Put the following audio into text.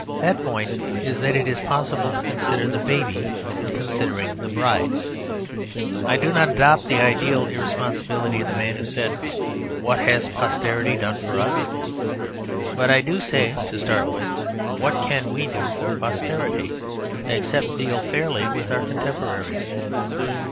That point is that it is possible to consider the baby in considering the bride. I do not adopt the ideal irresponsibility of the man who said, "What has posterity done for us?" But I do say, to start with, "What can we do for posterity, except deal fairly with our contemporaries?"